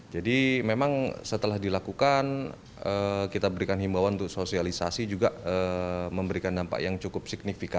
jadi memang setelah dilakukan kita berikan himbawan untuk sosialisasi juga memberikan dampak yang cukup signifikan